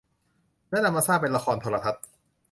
และนำมาสร้างเป็นละครโทรทัศน์